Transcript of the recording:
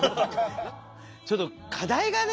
ちょっと課題がね